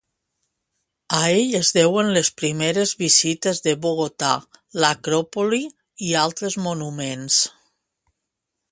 A ell es deuen les primeres vistes de Bogotà, l'Acròpoli i altres monuments.